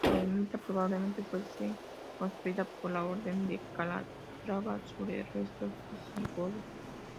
La ermita probablemente fuese construida por la Orden de Calatrava sobre restos visigodos.